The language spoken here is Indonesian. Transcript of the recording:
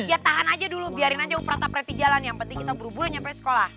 ya tahan aja dulu biarin aja uprah uprah pereti jalan yang penting kita buru buru nyampe sekolah